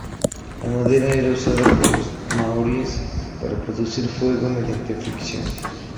La madera era usada por los maoríes para producir fuego mediante fricción.